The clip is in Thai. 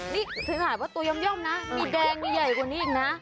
นี่ถึงอาจว่าตู้ยำย่อมนะมีแดงมีใหญ่นี้อีกนะ